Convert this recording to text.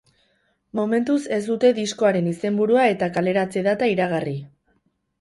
Momentuz ez dute diskoaren izenburua eta kaleratze-data iragarri.